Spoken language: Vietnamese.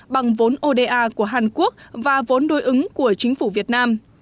bằng vốn oda của hàn quốc và vốn đối ứng của chính phủ việt nam